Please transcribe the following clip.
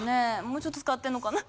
もうちょっと使ってんのかな？